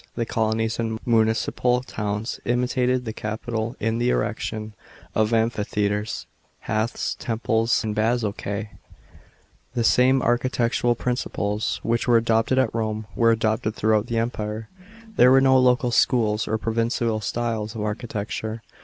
'I he coloi.ies and municipal towns imitated the capital in the erection of amphi theatres, baths, temples, and basilicas, f The same archi'e< tural principles which were adopted at Rome were adopted throughout the Kmpire. There were no local schools or provincial styles of architecture.